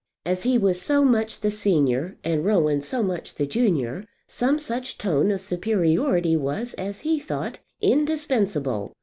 As he was so much the senior, and Rowan so much the junior, some such tone of superiority was, as he thought, indispensable.